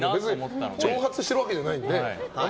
挑発してるわけじゃないので。